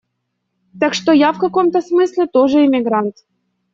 Так что я в каком-то смысле тоже иммигрант.